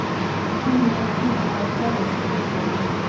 Та миний явсны дараа утсаар ярьсныг хэлж байна уу?